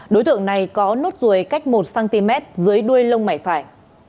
đối tượng này có nốt ruồi cách một cm dưới đuôi lông mảy phải